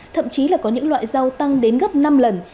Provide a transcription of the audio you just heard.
thậm chí là có những loại rau tăng đến gấp năm lần